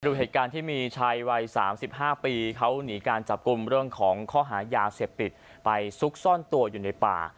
ดูเหตุการณ์ที่มีชายวัย๓๕ปีเขาหนีการจับกลุ่มเรื่องของข้อหายาเสพติดไปซุกซ่อนตัวอยู่ในป่า